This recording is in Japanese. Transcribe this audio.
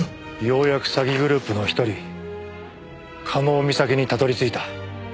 ようやく詐欺グループの一人加納美咲にたどり着いた。